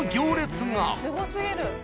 すごすぎる！